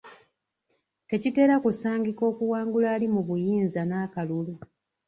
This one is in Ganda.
Tekitera kusangika okuwangula ali mu buyinza n'akalulu.